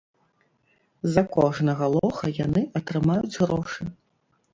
За кожнага лоха яны атрымаюць грошы.